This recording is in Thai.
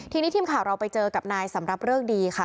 ทีนี้ทีมข่าวเราไปเจอกับนายสำรับเริกดีค่ะ